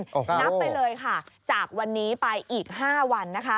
นับไปเลยค่ะจากวันนี้ไปอีก๕วันนะคะ